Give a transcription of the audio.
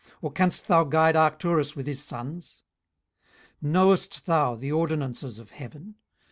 or canst thou guide Arcturus with his sons? 18:038:033 Knowest thou the ordinances of heaven?